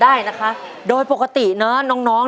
อันที่สอง